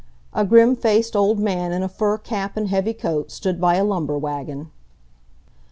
A grim faced old man in a fur cap and heavy coat stood by a lumber wagon.